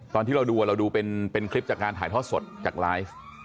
ตอนที่เราดูเราดูเป็นคลิปจากการถ่ายทอดสดจากไลฟ์